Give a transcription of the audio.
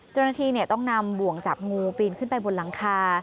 เจ้าหน้าที่ต้องนำบ่วงจับงูปีนขึ้นไปบนหลังคา